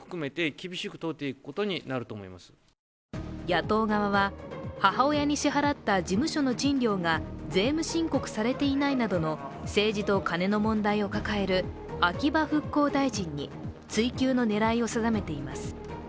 野党側は、母親に支払った事務所の賃料が税務申告されていないなどの政治とカネの問題を抱える秋葉復興大臣に追及の狙いを定めています。